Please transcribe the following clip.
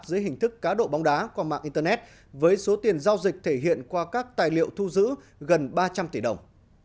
dưới hình thức cá độ bóng đá qua mạng internet với số tiền giao dịch thể hiện qua các tài liệu thu giữ gần ba trăm linh tỷ đồng